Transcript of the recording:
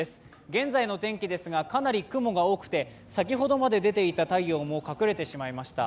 現在の天気ですがかなり雲が多くて先ほどまで出ていた太陽も隠れてしまいました。